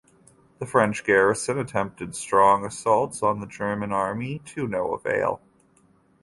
The French garrison attempted strong assaults on the German army to no avail.